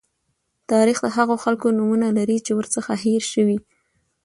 تاریخ د هغو خلکو نومونه لري چې ورڅخه هېر شوي.